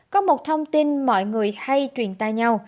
có một thông tin mọi người hay truyền tay nhau